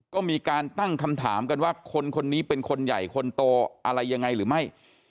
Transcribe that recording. ก็มีการตั้งคำถามกันว่าคนคนนี้เป็นคนใหญ่คนโตอะไรยังไงหรือไม่